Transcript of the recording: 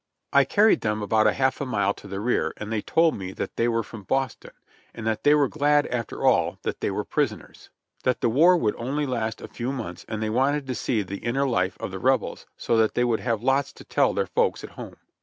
I carried them about a half mile to the rear and they told me that they were from Boston, and that they were glad after all that they were prisoners ; that the war would only last a few months and they wanted to see the inner life of the Rebels so that they would have lots to tell their folks at home.